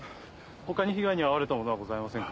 他に被害に遭われたものはございませんか？